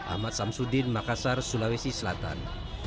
ahmad samsuddin makassar sulawesi selatan